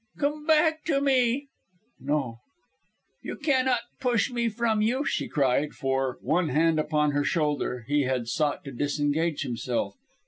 "Come back to me." "No." "You cannot push me from you," she cried, for, one hand upon her shoulder, he had sought to disengage himself.